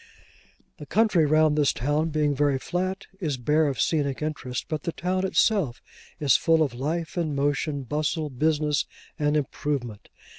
The country round this town being very flat, is bare of scenic interest; but the town itself is full of life and motion, bustle, business, and improvement.